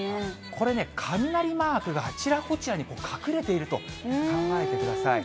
これね、雷マークがあちらこちらに隠れていると考えてください。